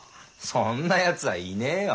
そんなやつはいねえよ。